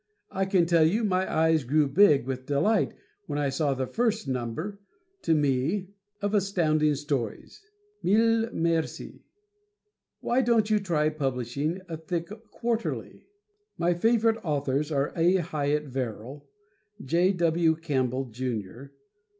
I can tell you my eyes grew big with delight when I saw the first number to me of Astounding Stories. Mille mercis. Why don't you try publishing a thick Quarterly? My favorite authors are A. Hyatt Verrill, J. W. Campbell, Jr.